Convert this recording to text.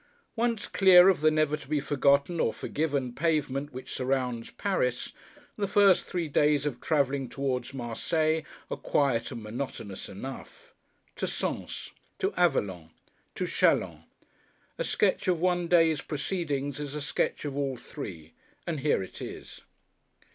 Once clear of the never to be forgotten or forgiven pavement which surrounds Paris, the first three days of travelling towards Marseilles are quiet and monotonous enough. To Sens. To Avallon. To Chalons. A sketch of one day's proceedings is a sketch of all three; and here it is.